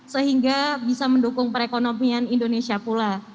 sehingga bisa mendukung perekonomian indonesia pula